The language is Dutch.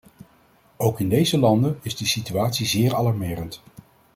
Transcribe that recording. Ook in deze landen is de situatie zeer alarmerend.